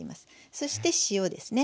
そして塩ですね。